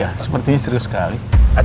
iya sepertinya serius sekali